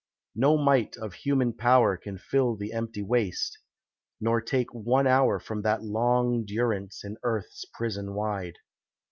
No might of human power Can fill the empty waste, nor take one hour From that long durance in Earth's prison wide.